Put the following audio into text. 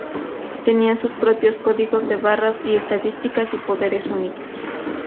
Tenían sus propios códigos de barras y estadísticas y poderes únicos.